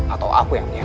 atau aku yang menyerahmu